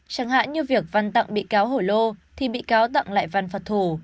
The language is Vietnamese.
chẳng hạn như việc văn tặng bị cáo hổ lô thì bị cáo tặng lại văn phật thủ